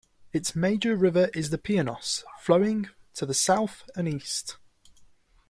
Its major river is the Pineios, flowing to the south and east.